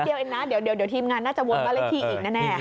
เออแต่แป๊บเดียวเองนะเดี๋ยวทีมงานน่าจะวนบรรยาทีอีกนะแน่